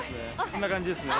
こんな感じですね。